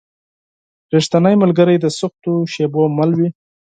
رښتینی ملګری د سختو شېبو مل وي.